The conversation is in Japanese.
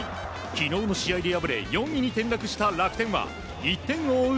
昨日の試合で敗れ４位に転落した楽天は１点を追う